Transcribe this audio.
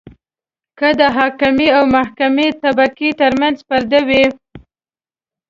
که د حاکمې او محکومې طبقې ترمنځ پردې وي.